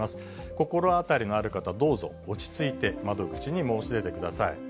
心当たりのある方、どうぞ、落ち着いて窓口に申し出てください。